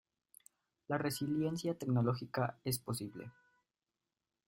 La resiliencia tecnológica es posible.